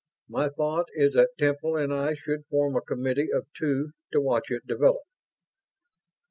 My thought is that Temple and I should form a Committee of Two to watch it develop."